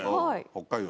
北海道。